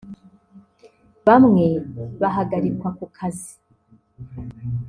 bamwe bahagarikwa ku kazi